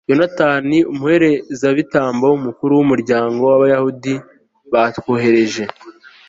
yonatani, umuherezabitambo mukuru n'umuryango w'abayahudi, batwohereje